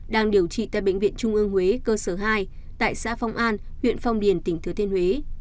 đang điều trị tại bệnh viện trung ương huế cơ sở hai tại xã phong an huyện phong điền tỉnh thứ thiên huế